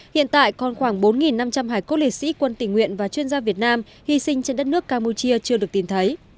hiện tại còn khoảng bốn năm trăm linh hải cốt liệt sĩ quân tình nguyện và chuyên gia việt nam hy sinh trên đất nước campuchia chưa được tìm thấy